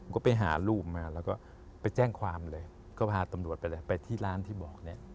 ก็ไปหารูปมาไปแจ้งความเลยก็พาตำรวจไปที่ร้านที่บอก